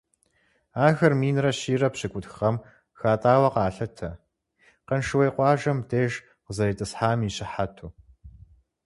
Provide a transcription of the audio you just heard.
Ахэр минрэ щийрэ пщыкӀутху гъэм хатӀауэ къалъытэ, Къаншыуей къуажэр мыбдеж къызэритӀысхьам и щыхьэту.